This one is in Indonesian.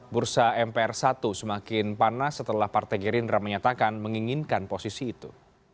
bursa mpr satu semakin panas setelah partai gerindra menyatakan menginginkan posisi itu